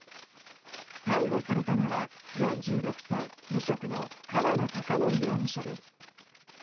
逮捕されたのは４６歳無職の河野孝典容疑者です。